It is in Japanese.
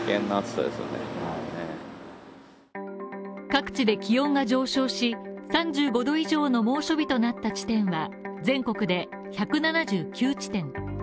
各地で気温が上昇し、３５度以上の猛暑日となった地点は全国で１７９地点。